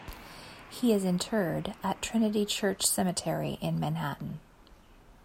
He is interred at Trinity Church Cemetery in Manhattan.